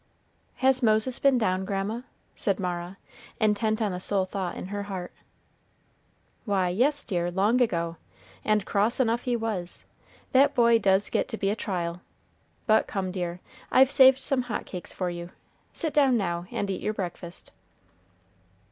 "Has Moses been down, grandma?" said Mara, intent on the sole thought in her heart. "Why, yes, dear, long ago, and cross enough he was; that boy does get to be a trial, but come, dear, I've saved some hot cakes for you, sit down now and eat your breakfast."